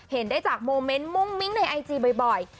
เห็นได้จากโมเมนต์มุ่งมิ้งในไอจีบ่อย